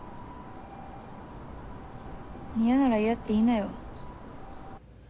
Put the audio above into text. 嫌なら嫌って言いなよ